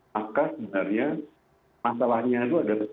maka sebenarnya masalahnya itu adalah